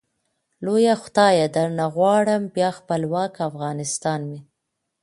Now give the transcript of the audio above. لويه خدايه درنه غواړم ، بيا خپلوک افغانستان مي